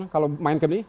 kalau main kem ini